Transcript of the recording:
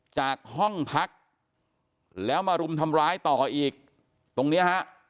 จากห้องพักแล้วมารุมทำร้ายต่ออีกตรงเนี้ยฮะ